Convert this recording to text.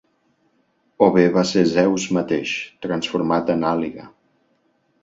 O bé va ser Zeus mateix, transformat en àliga.